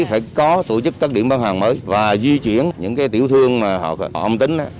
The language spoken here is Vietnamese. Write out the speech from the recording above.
phải có tổ chức các điểm bán hàng mới và di chuyển những tiểu thương mà họ âm tính